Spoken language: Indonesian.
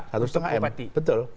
satu setengah miliar